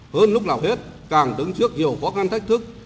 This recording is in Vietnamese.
hơn lúc nào hết càng đứng trước nhiều khó khăn thách thức